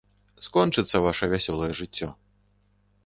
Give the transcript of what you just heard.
Скончыцца ваша вясёлае жыццё.